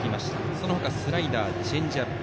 その他スライダー、チェンジアップ。